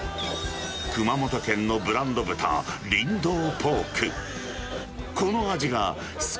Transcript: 熊本県のブランド豚、りんどうポーク。